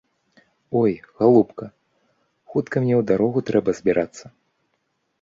Ой, галубка, хутка мне ў дарогу трэба збірацца!